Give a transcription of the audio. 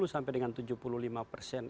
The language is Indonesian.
tujuh puluh sampai dengan